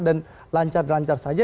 dan lancar lancar saja